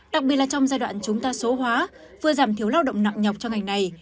đặc biệt là trong giai đoạn chúng ta số hóa vừa giảm thiếu lao động nặng nhọc cho ngành này